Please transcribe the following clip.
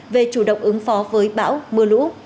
về chủ động ứng phó với bão mưa lũ